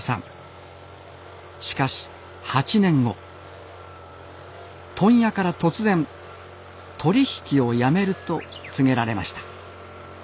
しかし８年後問屋から突然「取り引きをやめる」と告げられました。